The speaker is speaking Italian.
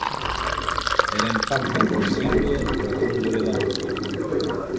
Era infatti impossibile raggiungere da nord.